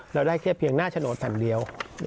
เราได้แค่เพียงหน้าโฉนดแผ่นเดียว